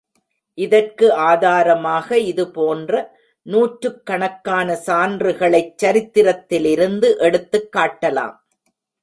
இதற்கு ஆதாரமாக இது போன்ற நூற்றுக்கணக்கான சான்றுகளைச் சரித்திரத்திலிருந்து எடுத்துக் காட்டலாம்.